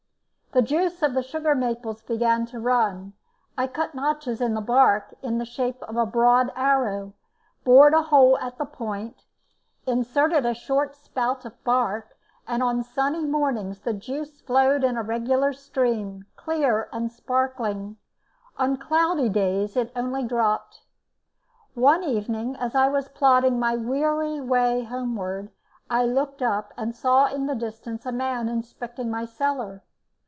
The juice of the sugar maples began to run. I cut notches in the bark in the shape of a broad arrow, bored a hole at the point, inserted a short spout of bark, and on sunny mornings the juice flowed in a regular stream, clear and sparkling; on cloudy days it only dropped. One evening as I was plodding my weary way homeward, I looked up and saw in the distance a man inspecting my cellar.